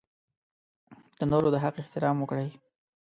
د نورو د حق احترام وکړئ.